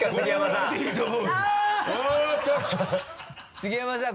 杉山さん